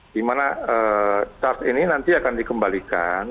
di mana charge ini nanti akan dikembalikan